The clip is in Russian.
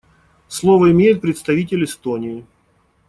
Слово имеет представитель Эстонии.